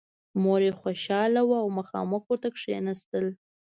مور یې خوشحاله وه او مخامخ ورته کېناسته